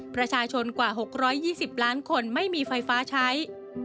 ประชาชนกว่า๖๒๐ล้านคนไม่มีไฟฟ้าใช้